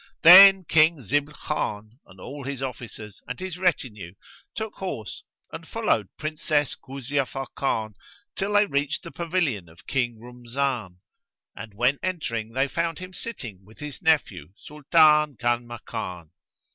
Then King Zibl Khan and all his officers and his retinue took horse and followed Princess Kuzia Fakan till they reached the pavilion of King Rumzan; and when entering they found him sitting with his nephew, Sultan Kanmakan.